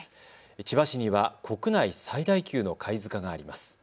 千葉市には国内最大級の貝塚があります。